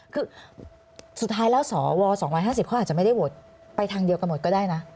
คือสุดท้ายแล้วสว๒๕๐เขาอาจจะไม่ได้โหวตไปทางเดียวกันหมดก็ได้นะ